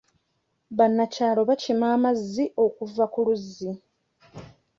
Bannakyalo bakima amazzi okuva ku luzzi.